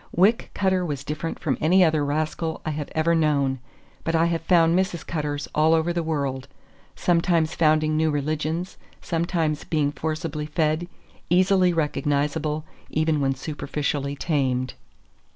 Wick Cutter was different from any other rascal I have ever known, but I have found Mrs. Cutters all over the world; sometimes founding new religions, sometimes being forcibly fed—easily recognizable, even when superficially tamed.